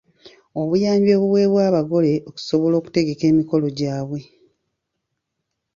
Obuyambi obuweebwa abagole okusobola okutegeka emikolo gyabwe.